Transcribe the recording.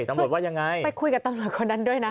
ตำรวจว่ายังไงไปคุยกับตำรวจคนนั้นด้วยนะ